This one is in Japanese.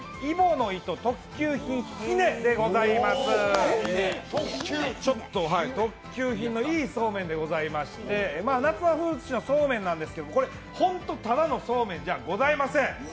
乃糸特級品ひねでございます特級品のいいそうめんでございまして、夏の風物詩のそうめんなんですけど、本当にただのそうめんじゃございません。